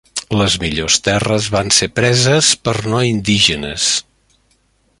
Les millors terres van ser preses per no indígenes.